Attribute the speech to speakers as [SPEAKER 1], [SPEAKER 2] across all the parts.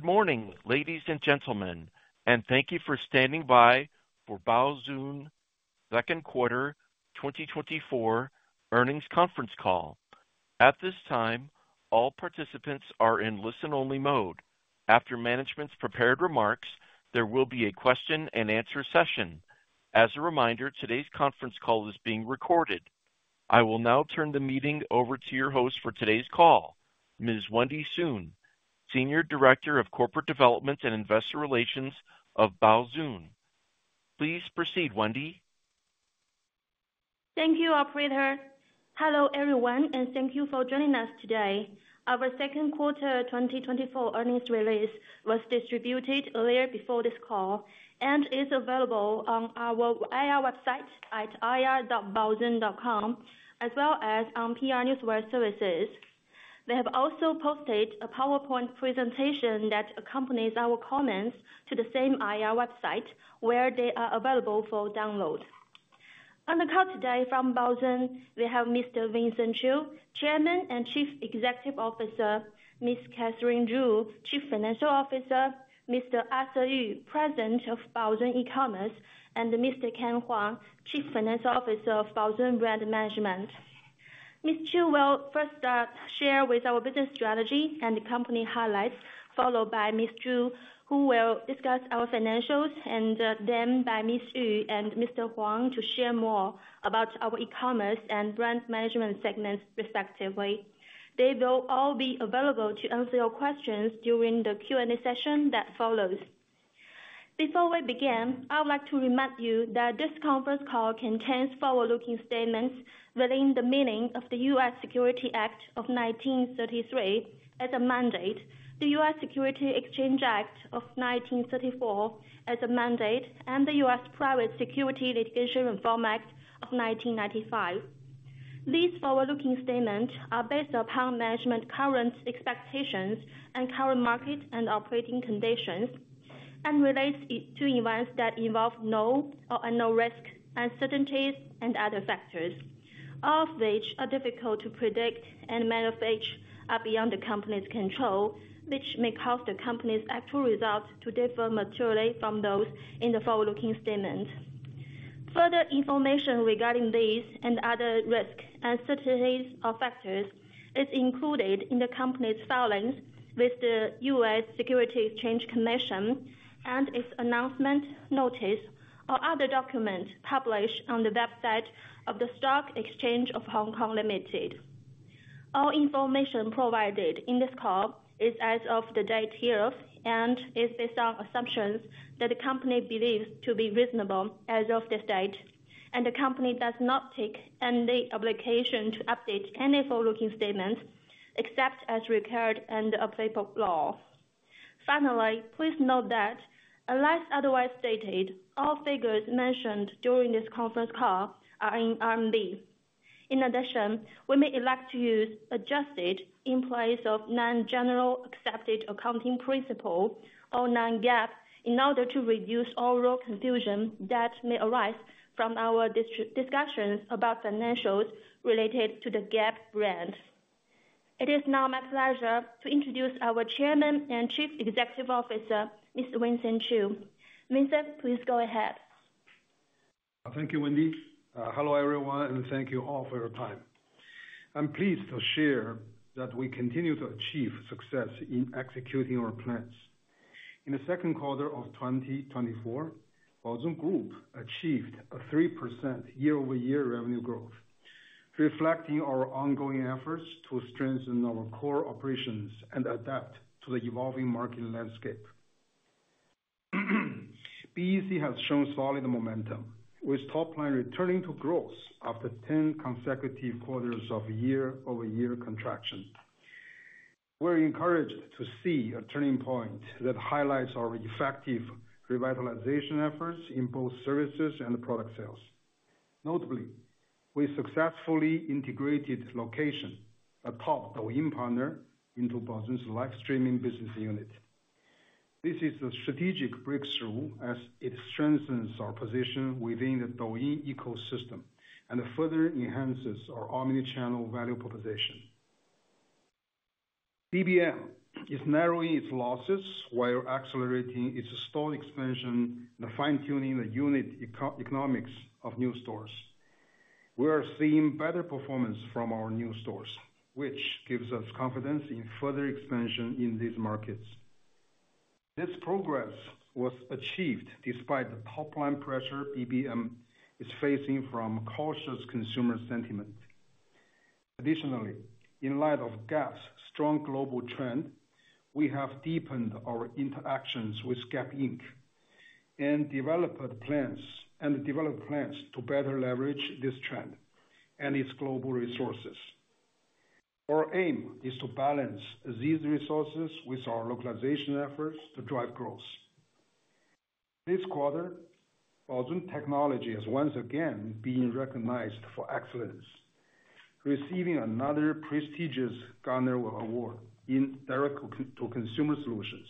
[SPEAKER 1] Good morning, ladies and gentlemen, and thank you for standing by for Baozun second quarter twenty twenty-four earnings conference call. At this time, all participants are in listen-only mode. After management's prepared remarks, there will be a question and answer session. As a reminder, today's conference call is being recorded. I will now turn the meeting over to your host for today's call, Ms. Wendy Sun, Senior Director of Corporate Development and Investor Relations of Baozun. Please proceed, Wendy.
[SPEAKER 2] Thank you, operator. Hello, everyone, and thank you for joining us today. Our second quarter twenty twenty-four earnings release was distributed earlier before this call, and is available on our IR website at ir.baozun.com, as well as on PR Newswire. We have also posted a PowerPoint presentation that accompanies our comments to the same IR website, where they are available for download. On the call today from Baozun, we have Mr. Vincent Chiu, Chairman and Chief Executive Officer, Ms. Catherine Zhu, Chief Financial Officer, Mr. Arthur Yu, President of Baozun E-commerce, and Mr. Ken Huang, Chief Financial Officer of Baozun Brand Management. Mr. Chiu will first share with our business strategy and the company highlights, followed by Ms. Zhu, who will discuss our financials, and then by Mr. Yu and Mr. Huang to share more about our e-commerce and brand management segments, respectively. They will all be available to answer your questions during the Q&A session that follows. Before we begin, I would like to remind you that this conference call contains forward-looking statements within the meaning of the U.S. Securities Act of 1933 as amended, the U.S. Securities Exchange Act of 1934 as amended, and the U.S. Private Securities Litigation Reform Act of 1995. These forward-looking statements are based upon management's current expectations and current market and operating conditions, and relates to events that involve known or unknown risks, uncertainties, and other factors, all of which are difficult to predict and many of which are beyond the company's control, which may cause the company's actual results to differ materially from those in the forward-looking statements. Further information regarding these and other risks, uncertainties, or factors is included in the company's filings with the U.S. Securities and Exchange Commission and its announcement, notice, or other documents published on the website of the Stock Exchange of Hong Kong Limited. All information provided in this call is as of the date hereof and is based on assumptions that the company believes to be reasonable as of this date, and the company does not take any obligation to update any forward-looking statements, except as required under applicable law. Finally, please note that unless otherwise stated, all figures mentioned during this conference call are in RMB. In addition, we may elect to use adjusted in place of non-generally accepted accounting principles or non-GAAP, in order to reduce any real confusion that may arise from our discussions about financials related to the GAAP standards. It is now my pleasure to introduce our Chairman and Chief Executive Officer, Mr. Vincent Chiu. Vincent, please go ahead.
[SPEAKER 3] Thank you, Wendy. Hello, everyone, and thank you all for your time. I'm pleased to share that we continue to achieve success in executing our plans. In the second quarter of twenty twenty-four, Baozun Group achieved a 3% year-over-year revenue growth, reflecting our ongoing efforts to strengthen our core operations and adapt to the evolving market landscape. BEC has shown solid momentum, with top line returning to growth after 10 consecutive quarters of year-over-year contraction. We're encouraged to see a turning point that highlights our effective revitalization efforts in both services and product sales. Notably, we successfully integrated Location, a top Douyin partner, into Baozun's live streaming business unit. This is a strategic breakthrough as it strengthens our position within the Douyin ecosystem and further enhances our omni-channel value proposition. BBM is narrowing its losses while accelerating its store expansion and fine-tuning the unit economics of new stores. We are seeing better performance from our new stores, which gives us confidence in further expansion in these markets. This progress was achieved despite the top-line pressure BBM is facing from cautious consumer sentiment. Additionally, in light of Gap's strong global trend, we have deepened our interactions with Gap Inc. and developed plans to better leverage this trend and its global resources. Our aim is to balance these resources with our localization efforts to drive growth. This quarter, Baozun Technology is once again being recognized for excellence, receiving another prestigious Gartner award in direct-to-consumer solutions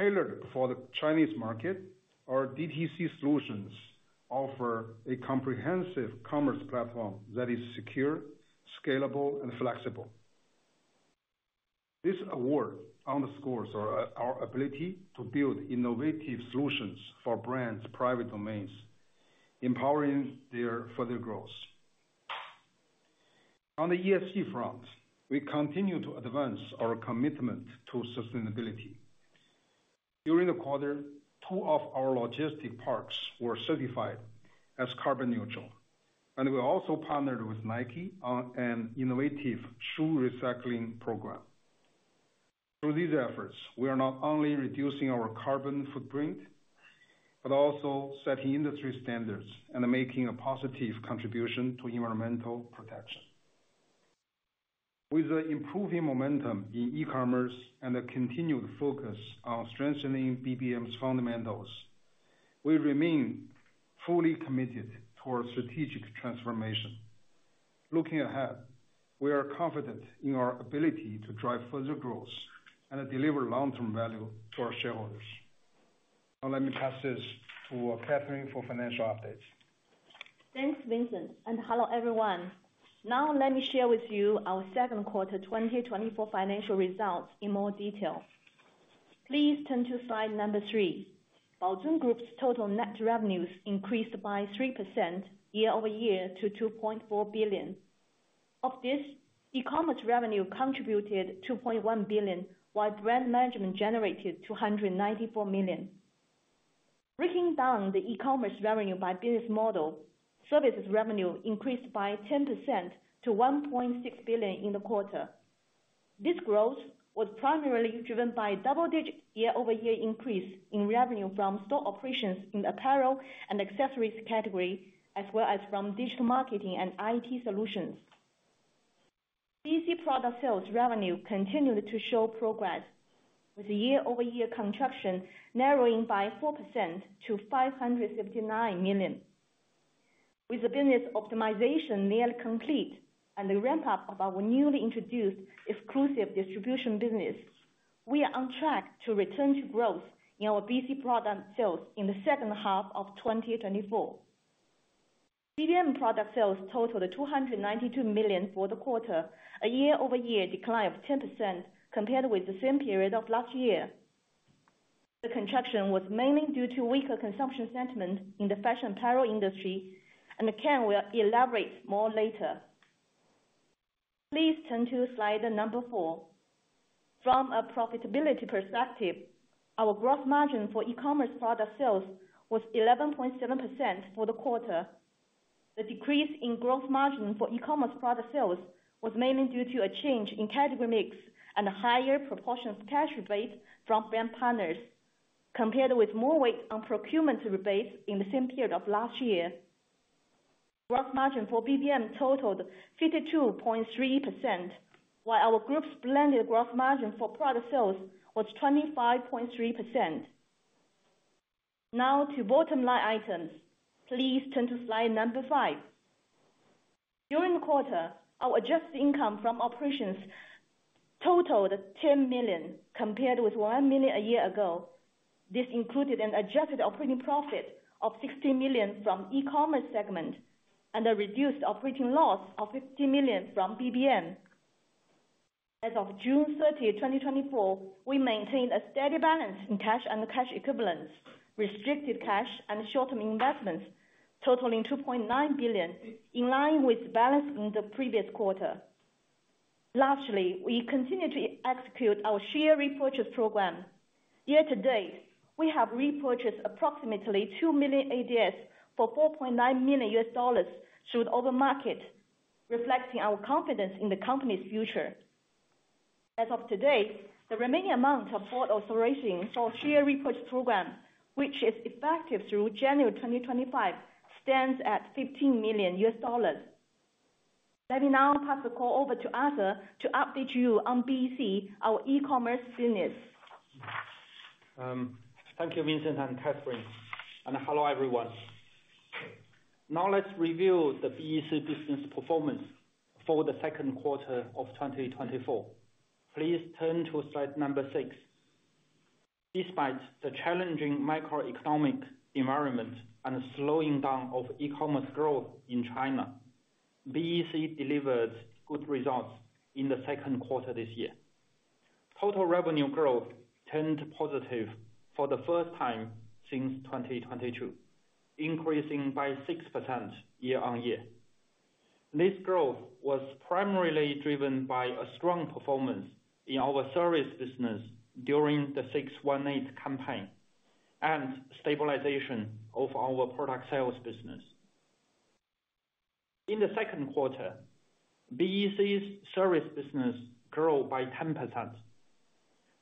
[SPEAKER 3] tailored for the Chinese market. Our DTC solutions offer a comprehensive commerce platform that is secure, scalable, and flexible. This award underscores our ability to build innovative solutions for brands' private domains, empowering their further growth. On the ESG front, we continue to advance our commitment to sustainability. During the quarter, two of our logistic parks were certified as carbon neutral, and we also partnered with Nike on an innovative shoe recycling program. Through these efforts, we are not only reducing our carbon footprint, but also setting industry standards and making a positive contribution to environmental protection. With the improving momentum in e-commerce and a continued focus on strengthening BBM's fundamentals, we remain fully committed to our strategic transformation. Looking ahead, we are confident in our ability to drive further growth and deliver long-term value to our shareholders. Now let me pass this to Catherine for financial updates.
[SPEAKER 4] Thanks, Vincent, and hello, everyone. Now let me share with you our second quarter 2024 financial results in more detail. Please turn to slide 3. Baozun Group's total net revenues increased by 3% year-over-year to 2.4 billion. Of this, e-commerce revenue contributed 2.1 billion, while brand management generated 294 million. Breaking down the e-commerce revenue by business model, services revenue increased by 10% to 1.6 billion in the quarter. This growth was primarily driven by double-digit year-over-year increase in revenue from store operations in apparel and accessories category, as well as from digital marketing and IT solutions. BC product sales revenue continued to show progress with the year-over-year contraction narrowing by 4% to 579 million. With the business optimization nearly complete and the ramp up of our newly introduced exclusive distribution business, we are on track to return to growth in our BEC product sales in the second half of 2024. BBM product sales totaled 292 million for the quarter, a year-over-year decline of 10% compared with the same period of last year. The contraction was mainly due to weaker consumption sentiment in the fashion apparel industry, and Ken will elaborate more later. Please turn to Slide 4. From a profitability perspective, our gross margin for e-commerce product sales was 11.7% for the quarter. The decrease in gross margin for e-commerce product sales was mainly due to a change in category mix and a higher proportion of cash rebate from brand partners, compared with more weight on procurement rebates in the same period of last year. Growth margin for BBM totaled 52.3%, while our group's blended growth margin for product sales was 25.3%. Now to bottom line items. Please turn to slide number five. During the quarter, our adjusted income from operations totaled 10 million, compared with 1 million a year ago. This included an adjusted operating profit of 60 million from e-commerce segment, and a reduced operating loss of 50 million from BBM. As of June thirtieth, 2024, we maintained a steady balance in cash and cash equivalents, restricted cash and short-term investments totaling 2.9 billion, in line with the balance in the previous quarter. Lastly, we continue to execute our share repurchase program. Year to date, we have repurchased approximately 2 million ADRs for $4.9 million through the open market, reflecting our confidence in the company's future. As of today, the remaining amount of board authorization for share repurchase program, which is effective through January 2025, stands at $15 million. Let me now pass the call over to Arthur to update you on BEC, our e-commerce business.
[SPEAKER 5] Thank you, Vincent and Catherine, and hello, everyone. Now let's review the BEC business performance for the second quarter of twenty twenty-four. Please turn to slide number six. Despite the challenging macroeconomic environment and slowing down of e-commerce growth in China, BEC delivered good results in the second quarter this year. Total revenue growth turned positive for the first time since twenty twenty-two, increasing by 6% year-on-year. This growth was primarily driven by a strong performance in our service business during the six-one-eight campaign and stabilization of our product sales business. In the second quarter, BEC's service business grew by 10%,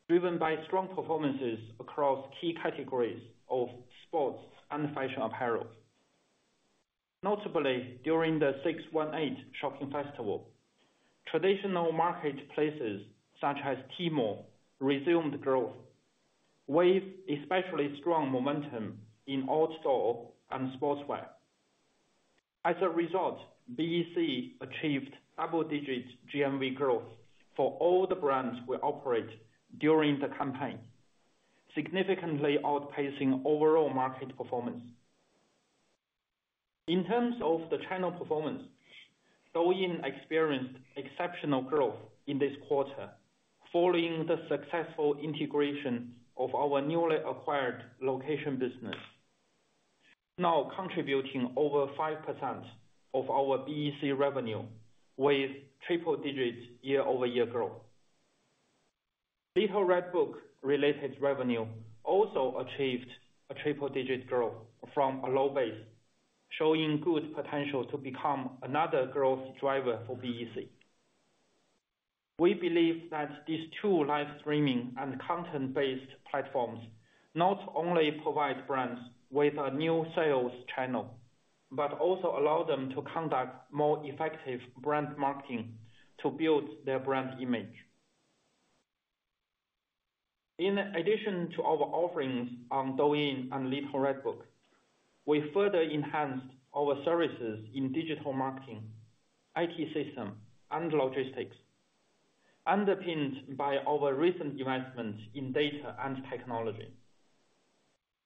[SPEAKER 5] driven by strong performances across key categories of sports and fashion apparel. Notably, during the 618 shopping festival, traditional marketplaces, such as Tmall, resumed growth with especially strong momentum in outdoor and sportswear.... As a result, BEC achieved double-digit GMV growth for all the brands we operate during the campaign, significantly outpacing overall market performance. In terms of the channel performance, Douyin experienced exceptional growth in this quarter, following the successful integration of our newly acquired Location business, now contributing over 5% of our BEC revenue with triple-digit year-over-year growth. Little Red Book related revenue also achieved a triple-digit growth from a low base, showing good potential to become another growth driver for BEC. We believe that these two live streaming and content-based platforms not only provide brands with a new sales channel, but also allow them to conduct more effective brand marketing to build their brand image. In addition to our offerings on Douyin and Little Red Book, we further enhanced our services in digital marketing, IT system, and logistics, underpinned by our recent investments in data and technology.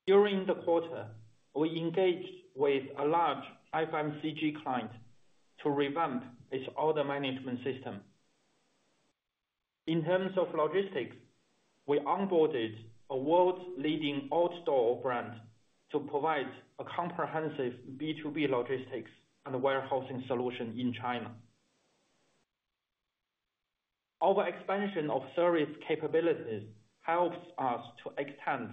[SPEAKER 5] During the quarter, we engaged with a large FMCG client to revamp its order management system. In terms of logistics, we onboarded a world's leading outdoor brand to provide a comprehensive B2B logistics and warehousing solution in China. Our expansion of service capabilities helps us to extend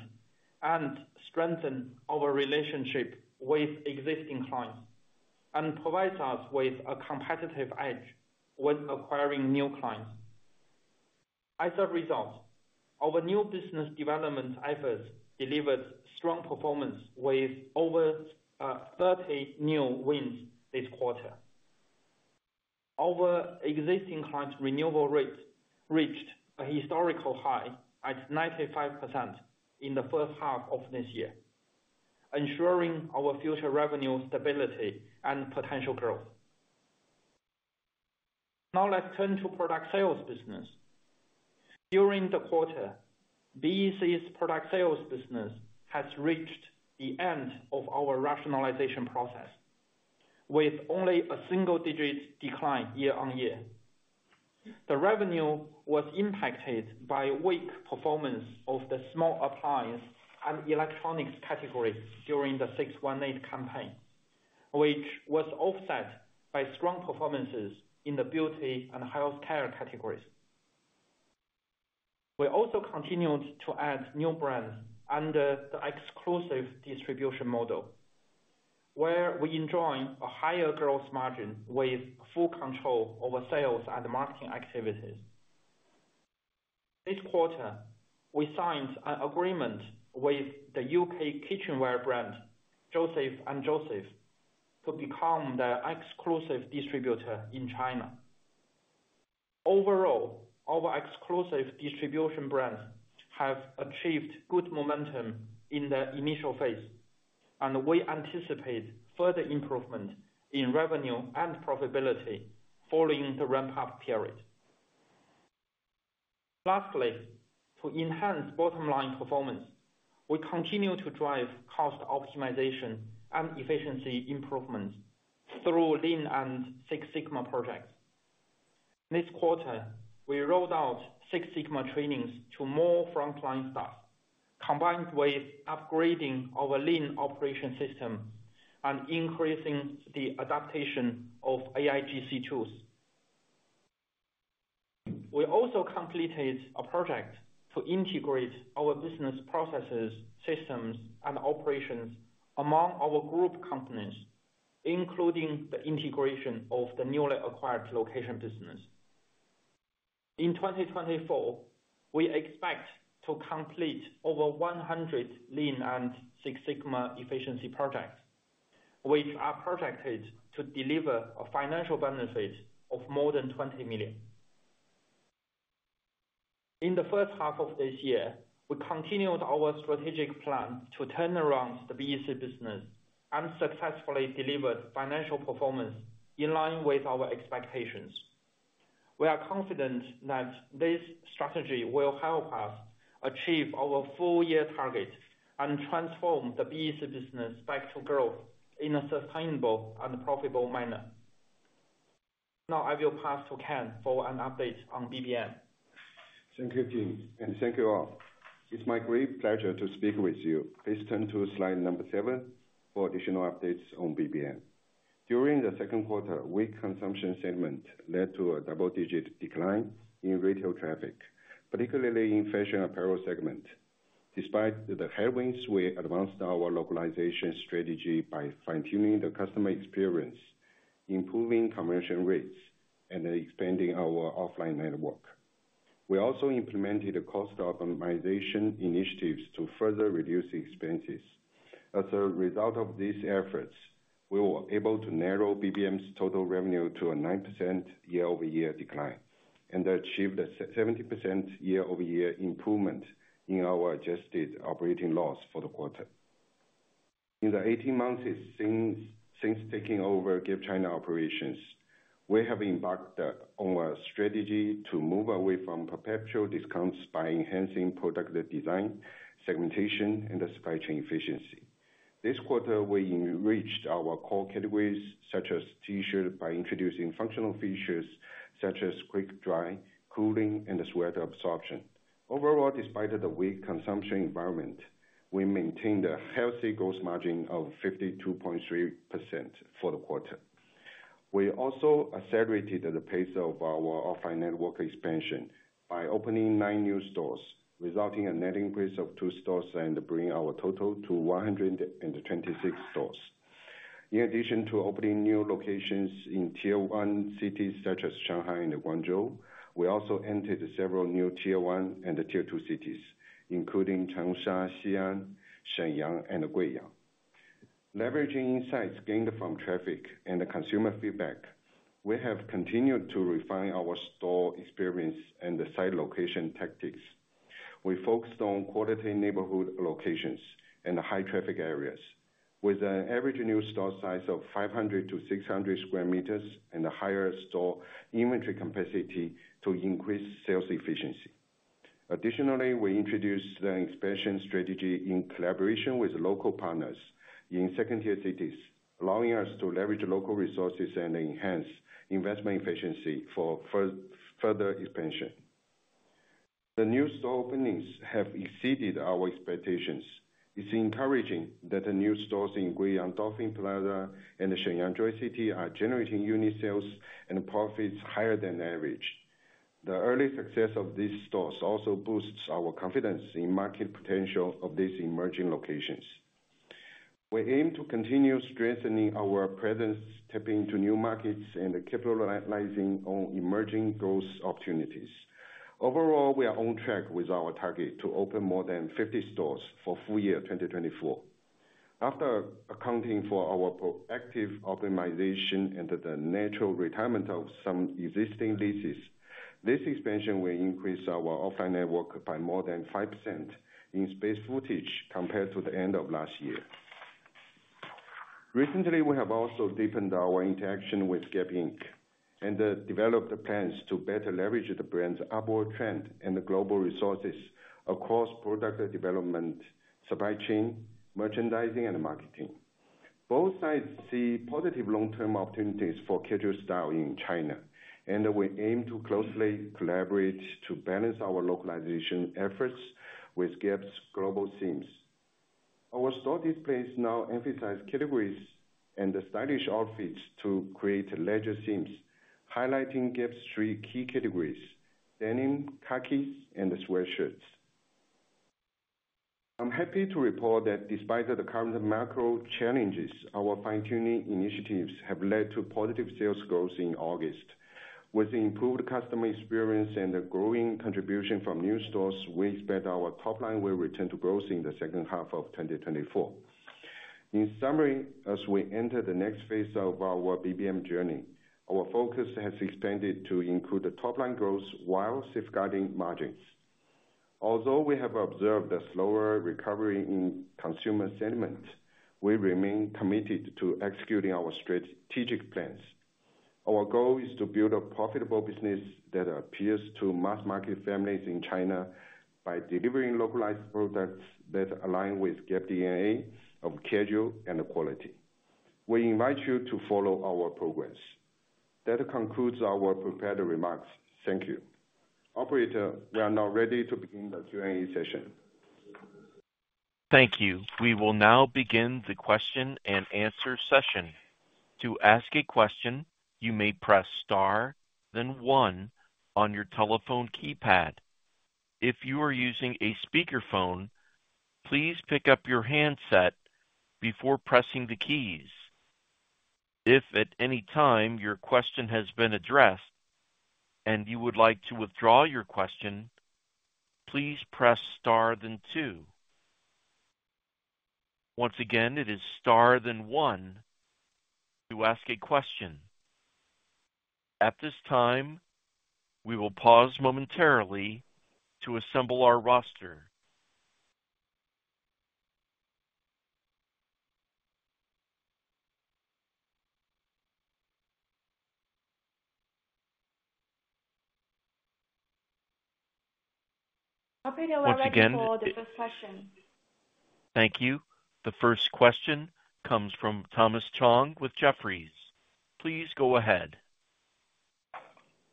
[SPEAKER 5] and strengthen our relationship with existing clients, and provides us with a competitive edge when acquiring new clients. As a result, our new business development efforts delivered strong performance with over 30 new wins this quarter. Our existing client renewal rate reached a historical high at 95% in the first half of this year, ensuring our future revenue stability and potential growth. Now, let's turn to product sales business. During the quarter, BEC's product sales business has reached the end of our rationalization process with only a single digit decline year-on-year. The revenue was impacted by weak performance of the small appliance and electronics categories during the six one eight campaign, which was offset by strong performances in the beauty and healthcare categories. We also continued to add new brands under the exclusive distribution model, where we enjoy a higher growth margin with full control over sales and marketing activities. This quarter, we signed an agreement with the UK kitchenware brand, Joseph Joseph, to become their exclusive distributor in China. Overall, our exclusive distribution brands have achieved good momentum in the initial phase, and we anticipate further improvement in revenue and profitability following the ramp-up period. Lastly, to enhance bottom line performance, we continue to drive cost optimization and efficiency improvements through Lean and Six Sigma projects. This quarter, we rolled out Six Sigma trainings to more frontline staff, combined with upgrading our Lean operation system and increasing the adaptation of AIGC tools. We also completed a project to integrate our business processes, systems, and operations among our group companies, including the integration of the newly acquired Location business. In twenty twenty-four, we expect to complete over 100 Lean and Six Sigma efficiency projects, which are projected to deliver a financial benefit of more than 20 million. In the first half of this year, we continued our strategic plan to turn around the BEC business and successfully delivered financial performance in line with our expectations. We are confident that this strategy will help us achieve our full year targets and transform the BEC business back to growth in a sustainable and profitable manner. Now, I will pass to Ken for an update on BBM.
[SPEAKER 6] Thank you, Jim, and thank you all. It's my great pleasure to speak with you. Please turn to slide number 7 for additional updates on BBM. During the second quarter, weak consumption segment led to a double-digit decline in retail traffic, particularly in fashion apparel segment. Despite the headwinds, we advanced our localization strategy by fine-tuning the customer experience, improving conversion rates, and expanding our offline network. We also implemented a cost optimization initiatives to further reduce expenses. As a result of these efforts, we were able to narrow BBM's total revenue to a 9% year-over-year decline, and achieved a 70% year-over-year improvement in our adjusted operating loss for the quarter. In the eighteen months since taking over Gap China operations, we have embarked on a strategy to move away from perpetual discounts by enhancing product design, segmentation, and the supply chain efficiency. This quarter, we enriched our core categories such as T-shirt, by introducing functional features such as quick dry, cooling, and sweat absorption. Overall, despite the weak consumption environment, we maintained a healthy gross margin of 52.3% for the quarter. We also accelerated the pace of our offline network expansion by opening nine new stores, resulting in a net increase of two stores and bringing our total to 126 stores. In addition to opening new locations in tier one cities such as Shanghai and Guangzhou, we also entered several new tier one and tier two cities, including Changsha, Xi'an, Shenyang, and Guiyang. Leveraging insights gained from traffic and the consumer feedback, we have continued to refine our store experience and the site location tactics. We focused on quality neighborhood locations and high traffic areas, with an average new store size of 500-600 square meters and a higher store inventory capacity to increase sales efficiency. Additionally, we introduced an expansion strategy in collaboration with local partners in second-tier cities, allowing us to leverage local resources and enhance investment efficiency for further expansion. The new store openings have exceeded our expectations. It's encouraging that the new stores in Guiyang Dolphin Plaza and Shenyang Joy City are generating unit sales and profits higher than average. The early success of these stores also boosts our confidence in market potential of these emerging locations. We aim to continue strengthening our presence, tapping into new markets, and capitalizing on emerging growth opportunities. Overall, we are on track with our target to open more than 50 stores for full year 2024. After accounting for our proactive optimization and the natural retirement of some existing leases, this expansion will increase our offline network by more than 5% in square footage compared to the end of last year. Recently, we have also deepened our interaction with Gap Inc. and developed plans to better leverage the brand's upward trend and the global resources across product development, supply chain, merchandising and marketing. Both sides see positive long-term opportunities for casual style in China, and we aim to closely collaborate to balance our localization efforts with Gap's global themes. Our store displays now emphasize categories and the stylish outfits to create leisure themes, highlighting Gap's three key categories: denim, khaki, and sweatshirts. I'm happy to report that despite the current macro challenges, our fine-tuning initiatives have led to positive sales growth in August. With improved customer experience and the growing contribution from new stores, we expect our top line will return to growth in the second half of 2024. In summary, as we enter the next phase of our BBM journey, our focus has expanded to include the top line growth while safeguarding margins. Although we have observed a slower recovery in consumer sentiment, we remain committed to executing our strategic plans. Our goal is to build a profitable business that appeals to mass-market families in China by delivering localized products that align with Gap DNA of casual and quality. We invite you to follow our progress. That concludes our prepared remarks. Thank you. Operator, we are now ready to begin the Q&A session.
[SPEAKER 1] Thank you. We will now begin the question and answer session. To ask a question, you may press star, then one on your telephone keypad. If you are using a speakerphone, please pick up your handset before pressing the keys. If at any time your question has been addressed and you would like to withdraw your question, please press star, then two. Once again, it is star, then one to ask a question. At this time, we will pause momentarily to assemble our roster.
[SPEAKER 2] Operator, we are ready for the first question.
[SPEAKER 1] Thank you. The first question comes from Thomas Chong with Jefferies. Please go ahead.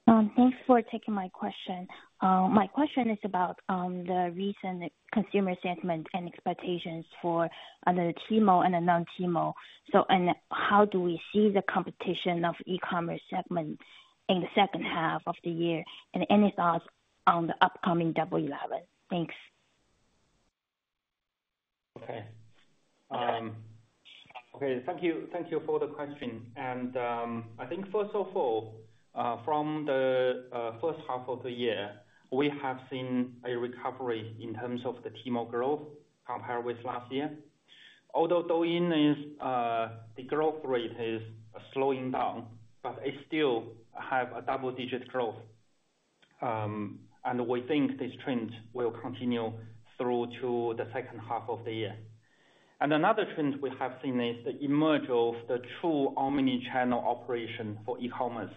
[SPEAKER 1] Thanks for taking my question. My question is about the recent consumer sentiment and expectations for the Tmall and the non Tmall. So, and how do we see the competition of e-commerce segments in the second half of the year? And any thoughts on the upcoming Double Eleven? Thanks.
[SPEAKER 6] Okay, thank you for the question. I think first of all, from the first half of the year, we have seen a recovery in terms of the Tmall growth compared with last year. Although Douyin's growth rate is slowing down, but it still have a double-digit growth....
[SPEAKER 5] and we think this trend will continue through to the second half of the year. And another trend we have seen is the emergence of the true omni-channel operation for e-commerce.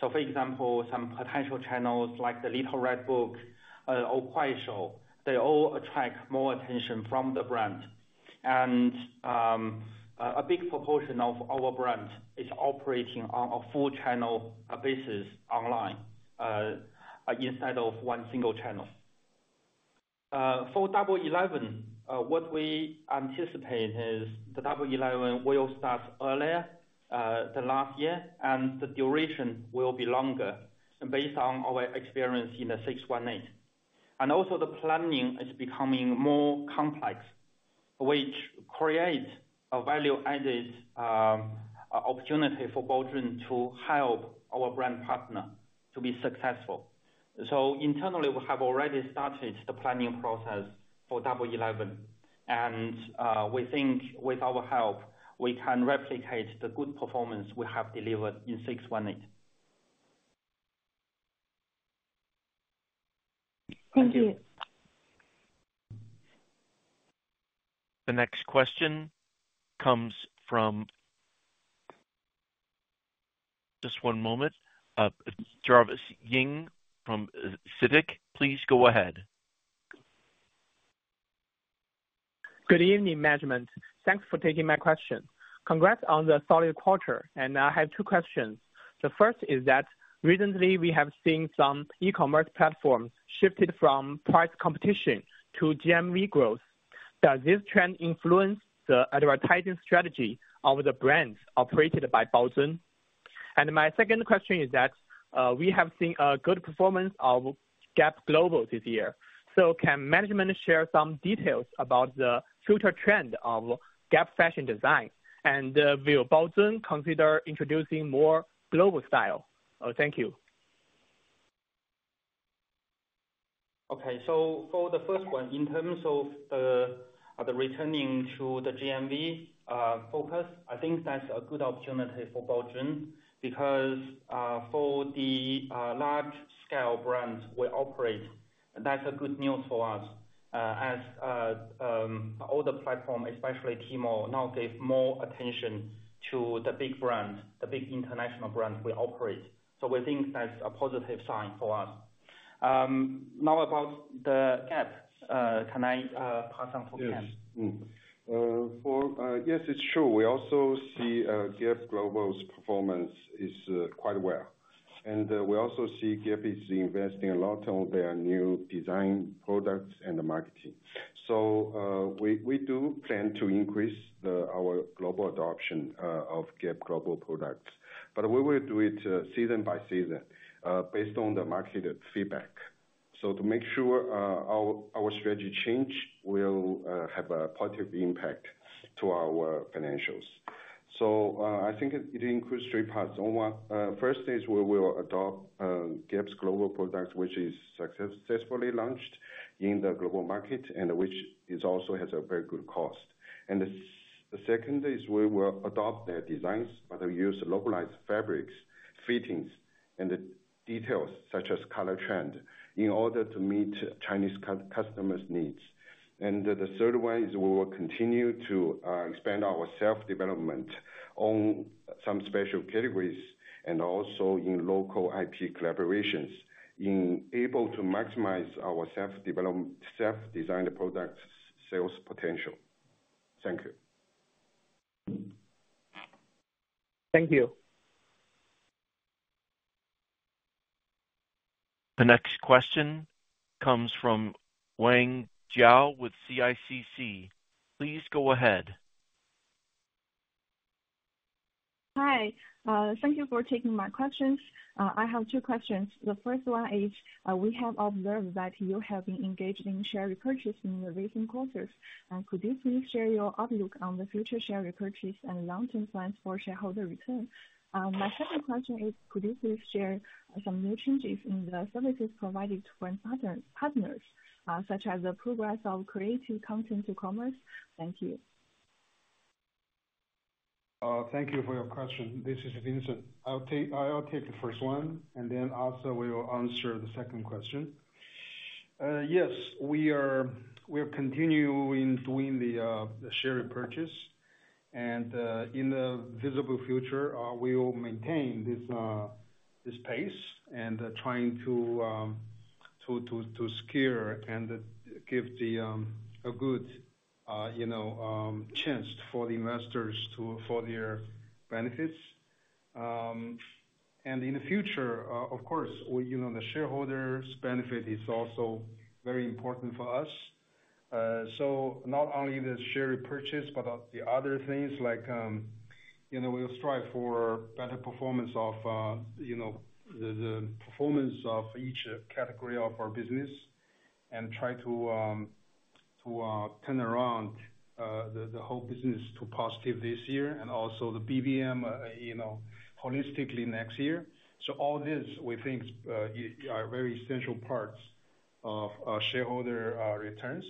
[SPEAKER 5] So, for example, some potential channels like the Little Red Book or Kuaishou, they all attract more attention from the brand. And, a big proportion of our brand is operating on a full channel basis online, instead of one single channel. For Double Eleven, what we anticipate is the Double Eleven will start earlier than last year, and the duration will be longer, based on our experience in the six one eight. And also the planning is becoming more complex, which creates a value-added opportunity for Baozun to help our brand partner to be successful. So internally, we have already started the planning process for Double Eleven, and we think with our help, we can replicate the good performance we have delivered in six one eight.
[SPEAKER 4] Thank you.
[SPEAKER 1] The next question comes from... Just one moment. Jarvis Ying from Daiwa Capital Markets, please go ahead. Good evening, management. Thanks for taking my question. Congrats on the solid quarter, and I have two questions. The first is that recently we have seen some e-commerce platforms shifted from price competition to GMV growth. Does this trend influence the advertising strategy of the brands operated by Baozun? And my second question is that, we have seen a good performance of Gap Global this year. So can management share some details about the future trend of Gap fashion design? And, will Baozun consider introducing more global style? Thank you.
[SPEAKER 5] Okay. So for the first one, in terms of the returning to the GMV focus, I think that's a good opportunity for Baozun, because for the large-scale brands we operate, that's good news for us. As all the platform, especially Tmall, now pay more attention to the big brands, the big international brands we operate. So we think that's a positive sign for us. Now, about the Gap, can I pass on to Ken?
[SPEAKER 6] Yes, it's true. We also see Gap Global's performance is quite well, and we also see Gap is investing a lot on their new design products and the marketing, so we do plan to increase our global adoption of Gap Global products. But we will do it season by season based on the market feedback to make sure our strategy change will have a positive impact to our financials, so I think it includes three parts. One, first is we will adopt Gap's global products, which is successfully launched in the global market and which is also has a very good cost. And the second is we will adopt their designs, but use localized fabrics, fittings, and the details such as color trend, in order to meet Chinese customers' needs. And the third one is we will continue to expand our self-development on some special categories and also in local IP collaborations, in order to maximize our self-development, self-designed products sales potential. Thank you. Thank you.
[SPEAKER 1] The next question comes from Wang Jiao with CICC. Please go ahead. Hi, thank you for taking my questions. I have two questions. The first one is, we have observed that you have been engaged in share repurchase in the recent quarters. Could you please share your outlook on the future share repurchase and long-term plans for shareholder return? My second question is, could you please share some new changes in the services provided to our partners, such as the progress of creative content to commerce? Thank you.
[SPEAKER 6] Thank you for your question. This is Vincent. I'll take the first one, and then Asa will answer the second question. Yes, we are continuing doing the share repurchase. And in the visible future, we will maintain this pace and trying to secure and give a good you know chance for the investors to for their benefits. And in the future, of course, we know the shareholders' benefit is also very important for us. So not only the share repurchase, but the other things like you know, we'll strive for better performance of you know, the performance of each category of our business. And try to turn around the whole business to positive this year, and also the BBM, you know, holistically next year. So all this, we think, are very essential parts of shareholder returns. ...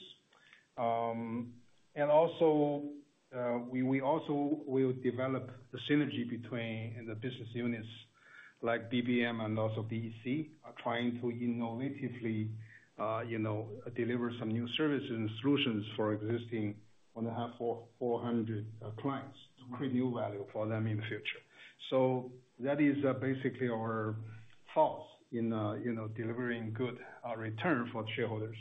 [SPEAKER 3] and also, we also will develop the synergy between the business units, like BBM and also BEC, are trying to innovatively, you know, deliver some new services and solutions for existing on behalf of 400 clients to create new value for them in the future. So that is basically our thoughts in, you know, delivering good return for the shareholders.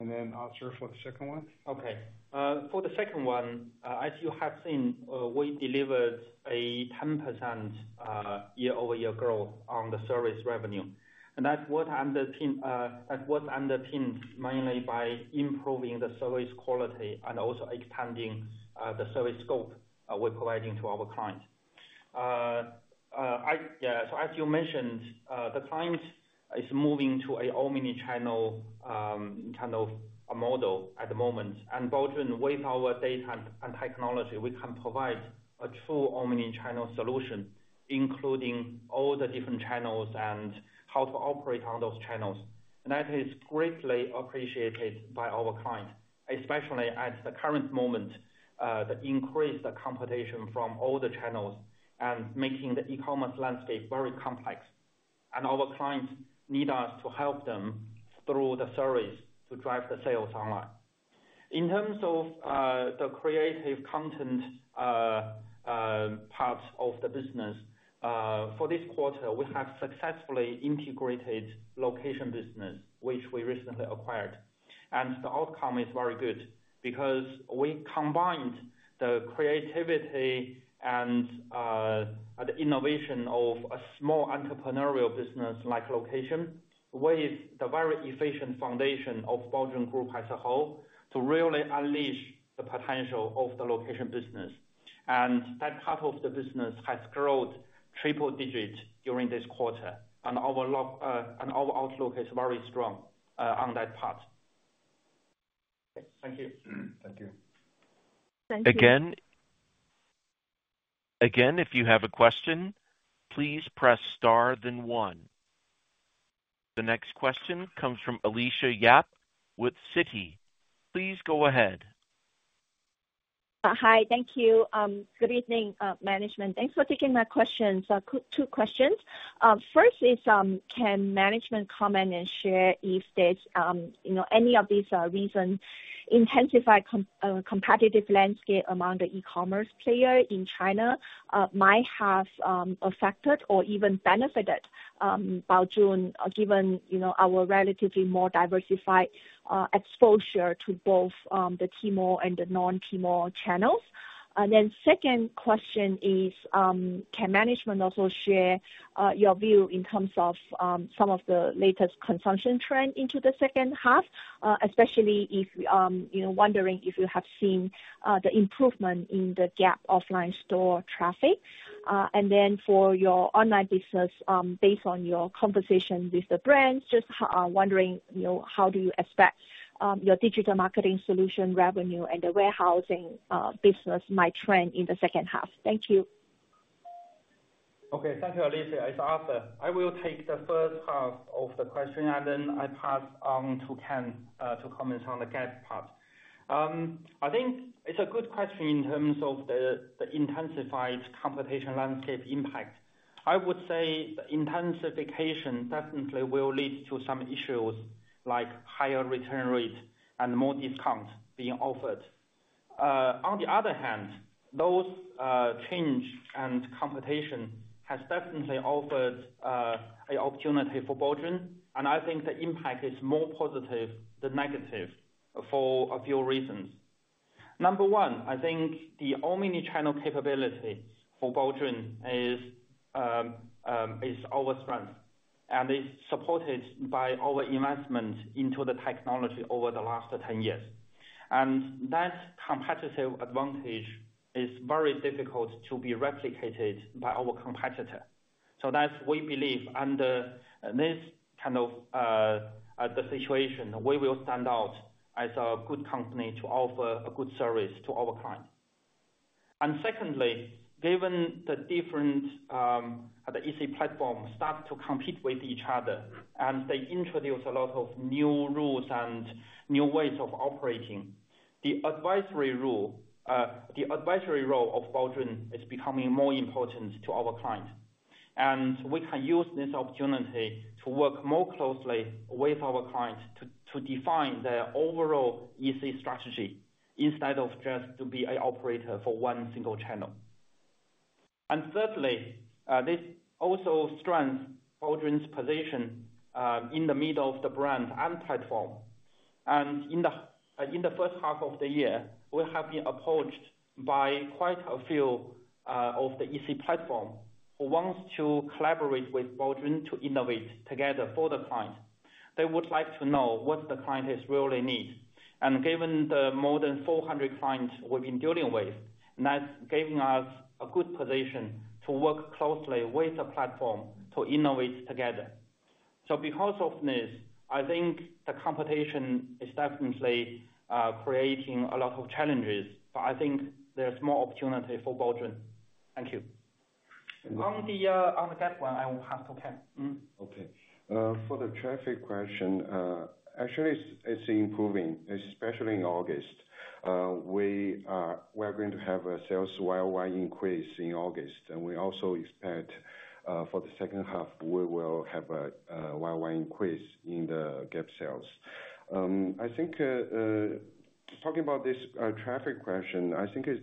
[SPEAKER 3] And then Arthur, for the second one?
[SPEAKER 5] Okay. For the second one, as you have seen, we delivered a 10% year-over-year growth on the service revenue. And that's what underpinned, that was underpinned mainly by improving the service quality and also expanding the service scope we're providing to our clients. I, yeah, so as you mentioned, the clients is moving to an omni-channel kind of a model at the moment. And Baozun, with our data and technology, we can provide a full omni-channel solution, including all the different channels and how to operate on those channels. And that is greatly appreciated by our clients, especially at the current moment, the increased competition from all the channels and making the e-commerce landscape very complex. And our clients need us to help them through the service to drive the sales online. In terms of the creative content part of the business for this quarter, we have successfully integrated Location business, which we recently acquired. And the outcome is very good because we combined the creativity and the innovation of a small entrepreneurial business, like Location, with the very efficient foundation of Baozun Group as a whole, to really unleash the potential of the Location business. And that part of the business has grown triple digits during this quarter, and our outlook is very strong on that part.
[SPEAKER 3] Thank you. Thank you. Thank you.
[SPEAKER 1] Again, if you have a question, please press star then one. The next question comes from Alicia Yap with Citi. Please go ahead. Hi. Thank you. Good evening, management. Thanks for taking my questions. Two questions. First is, can management comment and share if this, you know, any of these reasons intensified competitive landscape among the e-commerce player in China might have affected or even benefited Baozun, given, you know, our relatively more diversified exposure to both the Tmall and the non-Tmall channels? And then second question is, can management also share your view in terms of some of the latest consumption trend into the second half? Especially if, you know, wondering if you have seen the improvement in the Gap offline store traffic. And then, for your online business, based on your conversation with the brands, just wondering, you know, how do you expect your digital marketing solution revenue and the warehousing business might trend in the second half? Thank you.
[SPEAKER 5] Okay, thank you, Alicia. It's Arthur. I will take the first half of the question, and then I pass on to Ken to comment on the Gap part. I think it's a good question in terms of the intensified competition landscape impact. I would say the intensification definitely will lead to some issues like higher return rates and more discounts being offered. On the other hand, those change and competition has definitely offered a opportunity for Baozun, and I think the impact is more positive than negative for a few reasons. Number one, I think the omni-channel capability for Baozun is our strength, and it's supported by our investment into the technology over the last ten years. And that competitive advantage is very difficult to be replicated by our competitor. So that's, we believe, under this kind of situation, we will stand out as a good company to offer a good service to our clients. And secondly, given the different EC platforms start to compete with each other, and they introduce a lot of new rules and new ways of operating, the advisory role of Baozun is becoming more important to our clients. And we can use this opportunity to work more closely with our clients to define their overall EC strategy, instead of just to be an operator for one single channel. And thirdly, this also strengthens Baozun's position in the middle of the brand and platform. And in the first half of the year, we have been approached by quite a few of the EC platform, who wants to collaborate with Baozun to innovate together for the clients. They would like to know what the clients really need. And given the more than 400 clients we've been dealing with, that's giving us a good position to work closely with the platform to innovate together. So because of this, I think the competition is definitely creating a lot of challenges, but I think there's more opportunity for Baozun. Thank you. On the Gap one, I will pass to Ken. Mm.
[SPEAKER 6] Okay. For the traffic question, actually it's improving, especially in August. We're going to have a sales YOY increase in August, and we also expect for the second half, we will have a YOY increase in the Gap sales. I think talking about this traffic question, I think it's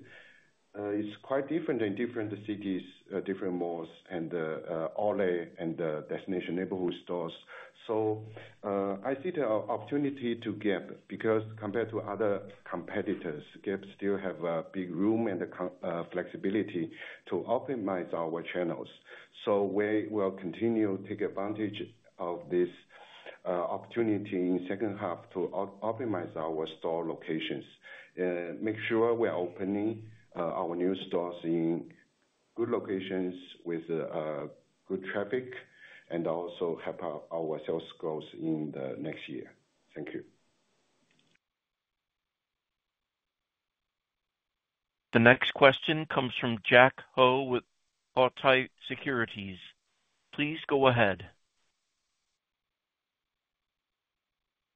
[SPEAKER 6] quite different in different cities, different malls and outlets and the destination neighborhood stores. So I see the opportunity for Gap, because compared to other competitors, Gap still have a big room and the flexibility to optimize our channels. So we will continue to take advantage of this opportunity in second half to optimize our store locations. Make sure we're opening our new stores in good locations with good traffic, and also help our sales growth in the next year. Thank you.
[SPEAKER 1] The next question comes from Jack Ho with Guotai Junan Securities. Please go ahead.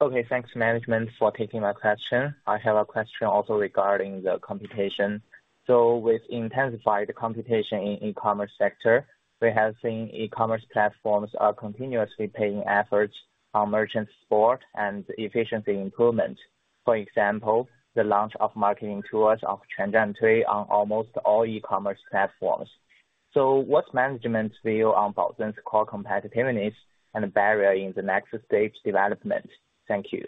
[SPEAKER 1] Okay, thanks management for taking my question. I have a question also regarding the competition. So with intensified competition in e-commerce sector, we have seen e-commerce platforms are continuously paying efforts on merchant support and efficiency improvement. For example, the launch of marketing tools of AIGC on almost all e-commerce platforms. So what's management's view on Baozun's core competitiveness and barrier in the next stage development? Thank you.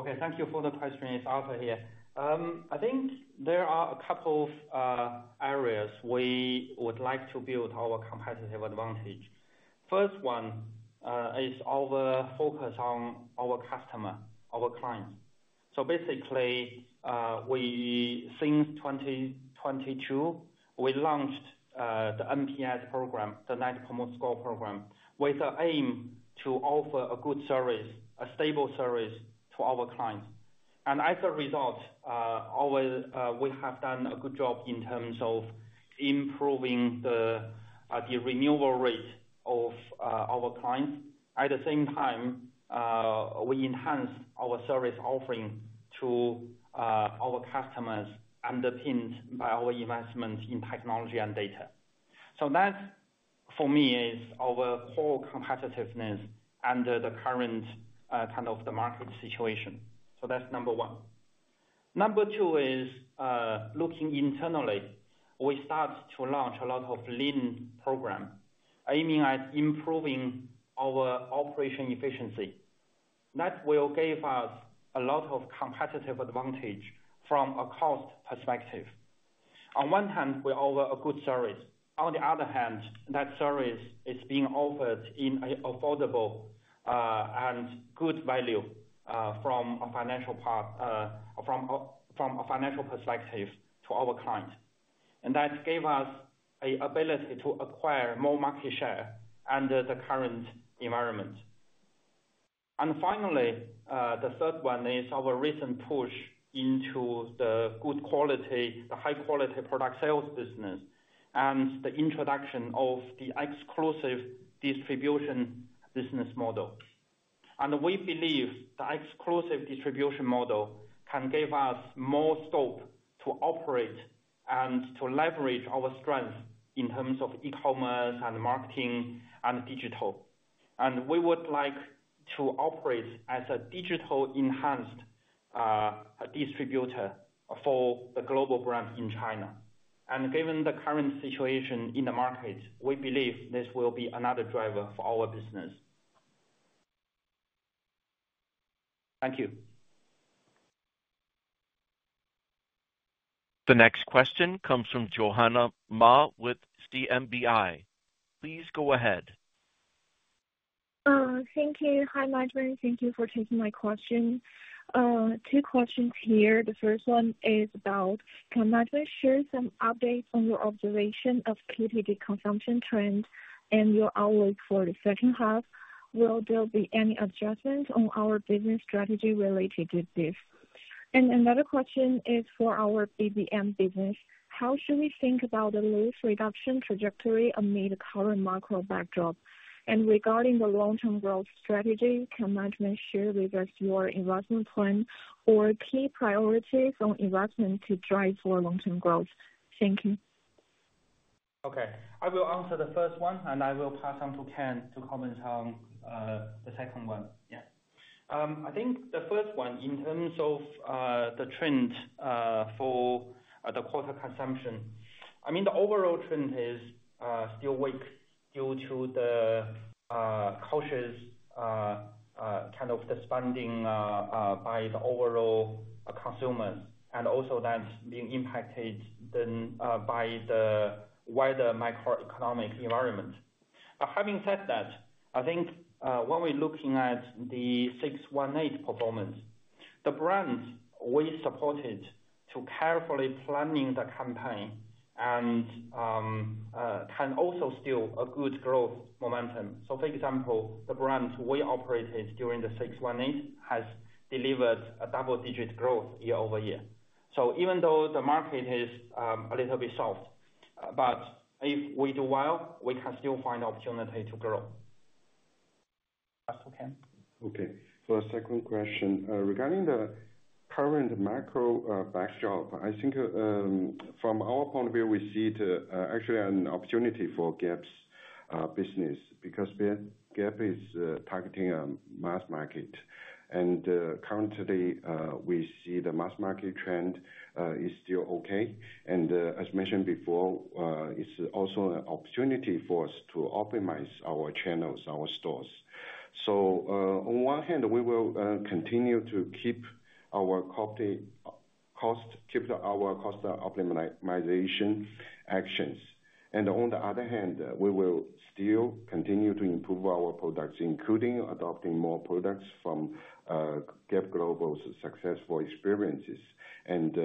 [SPEAKER 5] Okay, thank you for the question. It's Arthur here. I think there are a couple of areas we would like to build our competitive advantage. First one is our focus on our customer, our clients. So basically, we since 2022, we launched the NPS program, the Net Promoter Score program, with the aim to offer a good service, a stable service to our clients. And as a result, our we have done a good job in terms of improving the renewal rate of our clients. At the same time, we enhanced our service offering to our customers, underpinned by our investments in technology and data. So that, for me, is our core competitiveness under the current kind of the market situation. So that's number one. Number two is looking internally. We start to launch a lot of lean program, aiming at improving our operation efficiency. That will give us a lot of competitive advantage from a cost perspective. On one hand, we offer a good service, on the other hand, that service is being offered in a affordable, and good value, from a financial perspective to our clients. And that gave us a ability to acquire more market share under the current environment. And finally, the third one is our recent push into the good quality, the high quality product sales business, and the introduction of the exclusive distribution business model. And we believe the exclusive distribution model can give us more scope to operate and to leverage our strength in terms of e-commerce, and marketing, and digital. And we would like to operate as a digitally enhanced distributor for the global brands in China. And given the current situation in the market, we believe this will be another driver for our business. Thank you.
[SPEAKER 1] The next question comes from Johanna Ma with CMBI. Please go ahead. Thank you. Hi, management. Thank you for taking my question. Two questions here. The first one is about, can management share some updates on your observation of PTD consumption trends and your outlook for the second half? Will there be any adjustments on our business strategy related to this? And another question is for our BBM business. How should we think about the loss reduction trajectory amid the current macro backdrop? And regarding the long-term growth strategy, can management share with us your investment plan or key priorities on investment to drive for long-term growth? Thank you.
[SPEAKER 5] Okay, I will answer the first one, and I will pass on to Ken to comment on the second one. I think the first one, in terms of the trend for the quarter consumption, I mean, the overall trend is still weak due to the cautious kind of the spending by the overall consumers, and also that's being impacted then by the wider macroeconomic environment. But having said that, I think when we're looking at the six one eight performance, the brands we supported to carefully planning the campaign and can also still a good growth momentum. So for example, the brands we operated during the six one eight has delivered a double-digit growth year over year. So even though the market is a little bit soft, but if we do well, we can still find opportunity to grow....
[SPEAKER 6] Okay. So second question, regarding the current macro backdrop, I think, from our point of view, we see it actually an opportunity for Gap's business, because Gap is targeting a mass market. And currently, we see the mass market trend is still okay, and as mentioned before, it's also an opportunity for us to optimize our channels, our stores. So on one hand, we will continue to keep our opex cost, keep our cost optimization actions. And on the other hand, we will still continue to improve our products, including adopting more products from Gap Global's successful experiences, and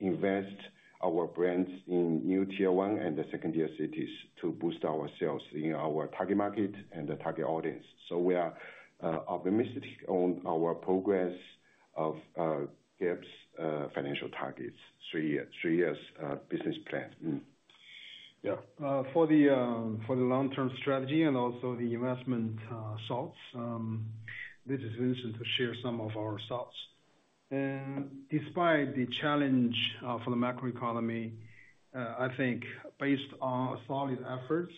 [SPEAKER 6] invest our brands in new tier one and the second tier cities to boost our sales in our target market and the target audience. So we are optimistic on our progress of Gap's financial targets, three years business plan. Mm. Yeah.
[SPEAKER 3] For the long-term strategy and also the investment thoughts, this is Vincent to share some of our thoughts. Despite the challenge for the macroeconomy, I think based on solid efforts,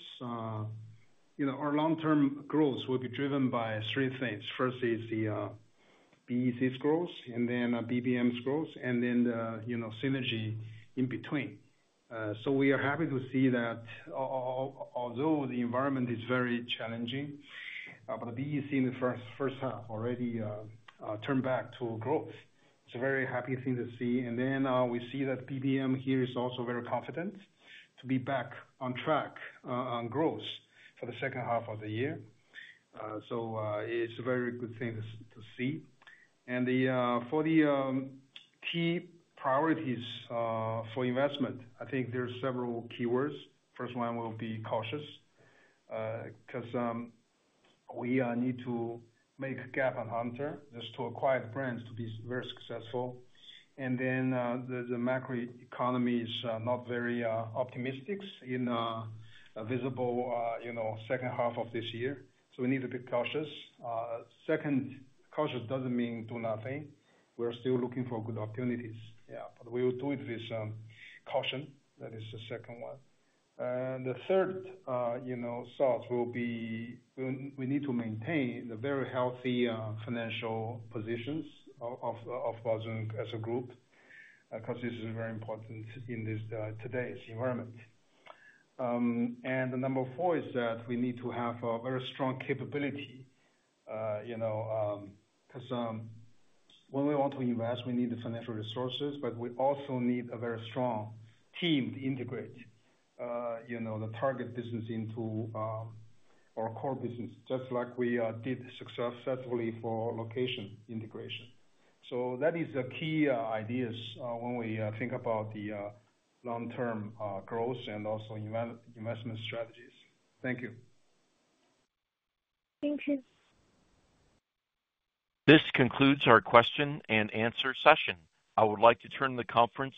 [SPEAKER 3] you know, our long-term growth will be driven by three things. First is the BEC's growth, and then BBM's growth, and then the, you know, synergy in between. So we are happy to see that although the environment is very challenging, but BEC in the first half already turned back to growth. It's a very happy thing to see. And then we see that BBM here is also very confident to be back on track on growth for the second half of the year. So it's a very good thing to see. And the key priorities for investment, I think there are several keywords. First one will be cautious, 'cause we need to make Gap and Hunter, just to acquire the brands, to be very successful. And then, the macroeconomy is not very optimistic in the foreseeable, you know, second half of this year, so we need to be cautious. Second, cautious doesn't mean do nothing. We're still looking for good opportunities. Yeah, but we will do it with caution. That is the second one. And the third, you know, thoughts will be, we need to maintain the very healthy financial positions of Baozun as a group, because this is very important in this today's environment. And the number four is that we need to have a very strong capability, you know, 'cause when we want to invest, we need the financial resources, but we also need a very strong team to integrate, you know, the target business into our core business, just like we did successfully for Location integration. So that is the key ideas when we think about the long-term growth and also investment strategies. Thank you.
[SPEAKER 2] Thank you.
[SPEAKER 1] This concludes our question and answer session. I would like to turn the conference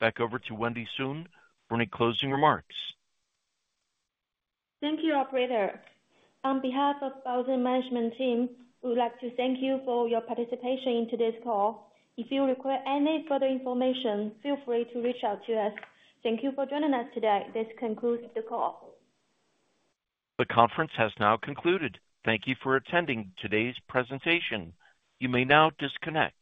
[SPEAKER 1] back over to Wendy Sun for any closing remarks.
[SPEAKER 2] Thank you, operator. On behalf of Baozun management team, we would like to thank you for your participation in today's call. If you require any further information, feel free to reach out to us. Thank you for joining us today. This concludes the call.
[SPEAKER 1] The conference has now concluded. Thank you for attending today's presentation. You may now disconnect.